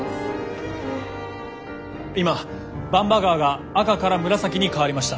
今番場川が赤から紫に変わりました。